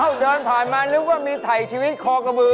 เอ้านอนผ่านมานึกว่ามีไถชีวิตคอกบือ